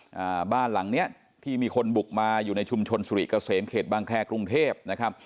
อ่าบ้านหลังเนี้ยที่มีคนบุกมาอยู่ในชุมชนสุริเกษมเขตบางแครกรุงเทพนะครับ